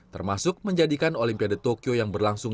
termasuk menjadikan olimpiade tokyo yang berlangsung